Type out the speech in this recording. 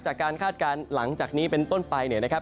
จากการคาดการณ์หลังจากนี้เป็นต้นไปนะครับ